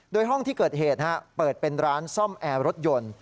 โดยห้องที่เกิดเหตุเปิดเป็นร้านซ่อมแอร์รถยนต์